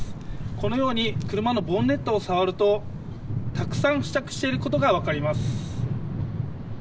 このように車のボンネットを触るとたくさん付着していることが分かります。